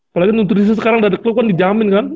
apalagi nutrisi sekarang dari klub kan dijamin kan